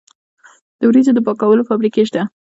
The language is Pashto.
د وریجو د پاکولو فابریکې شته.